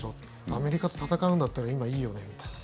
アメリカと戦うんだったら今、いいよねみたいな。